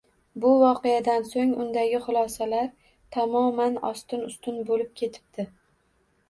Bu voqeadan soʻng undagi xulosalar tamoman ostin-ustin boʻlib ketibdi